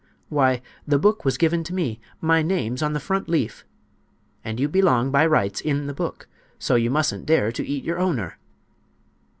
"Why, the book was given to me; my name's on the front leaf. And you belong, by rights, in the book. So you mustn't dare to eat your owner!"